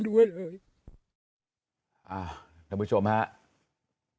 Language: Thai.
คุณผู้ชมครับ